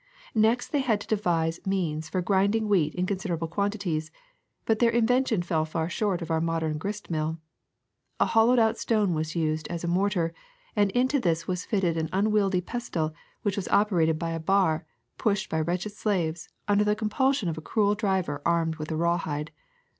^^Next they had to devise means for grinding wheat in considerable quantities, but their invention fell far short of our modern grist mill. A hollowed out stone was used as a mortar, and into this was fitted an unwieldy pestle which was operated by a bar pushed by wretched slaves, under the compulsion of a cruel driver armed with a rawhide.